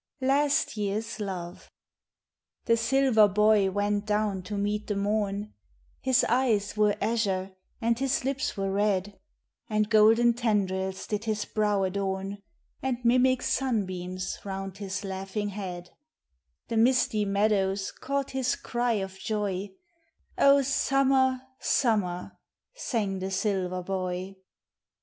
LAST YEAR'S LOVE THE silver boy went down to meet the morn, His eyes were azure and his lips were red, And golden tendrils did his brow adorn And mimic sunbeams round his laughing head ; The misty meadows caught his cry of joy : Oh, summer ! summer ! sang the silver boy.